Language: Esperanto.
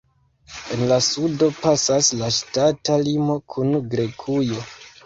En la sudo pasas la ŝtata limo kun Grekujo.